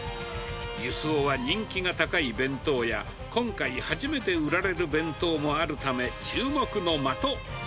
輸送は人気が高い弁当や、今回初めて売られる弁当もあるため、注目の的。